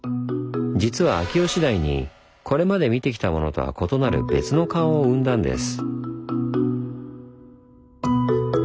実は秋吉台にこれまで見てきたものとは異なる別の顔を生んだんです。